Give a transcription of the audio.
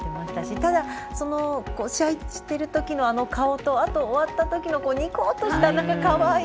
ただ、試合しているときのあの顔と終わったときの、にこっとしたかわいい。